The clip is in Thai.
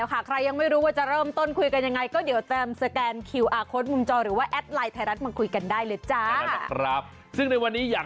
ข้อความนี้อยากให้ดูเรื่องนี้กัน